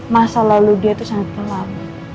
masa lalu dia itu sangat gelap